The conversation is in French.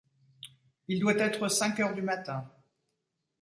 Il doit être cinq heures du matin.